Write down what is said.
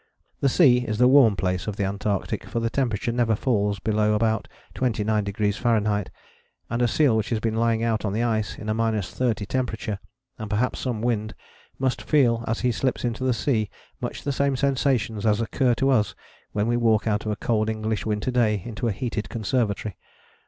The sea is the warm place of the Antarctic, for the temperature never falls below about 29° Fahr., and a seal which has been lying out on the ice in a minus thirty temperature, and perhaps some wind, must feel, as he slips into the sea, much the same sensations as occur to us when we walk out of a cold English winter day into a heated conservatory.